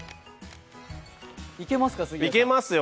いけますよ。